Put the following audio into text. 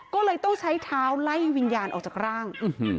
ก็เลยต้องใช้เท้าไล่วิญญาณออกจากร่าง